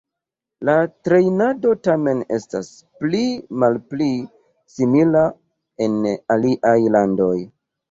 La trejnado tamen estas pli malpli simila en aliaj landoj.